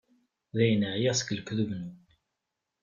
Dayen, εyiɣ seg lekdub-nwen.